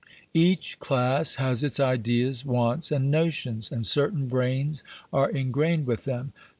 Each class has its ideas, wants, and notions; and certain brains are ingrained with them.